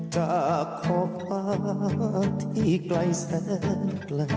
จากข้อพะที่ไกลแซ่นกลับ